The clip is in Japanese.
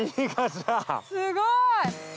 すごい！